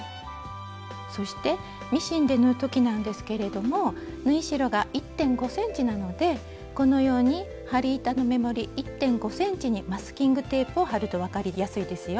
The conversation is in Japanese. そしてミシンで縫う時なんですけれども縫い代が１．５ｃｍなのでこのように針板のメモリ１．５ｃｍにマスキングテープを貼ると分かりやすいですよ。